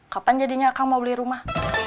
kapan jadinya kamu mau beli rumah